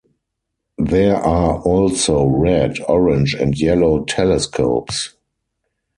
There are also red, orange and yellow telescopes.